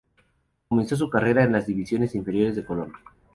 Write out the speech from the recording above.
Comenzó su carrera en las divisiones inferiores de Colón.